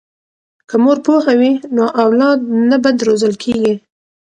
که مور پوهه وي نو اولاد نه بد روزل کیږي.